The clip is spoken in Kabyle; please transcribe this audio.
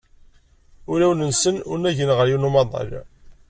Ulawen-sen unagen ɣer yiwen n umaḍal.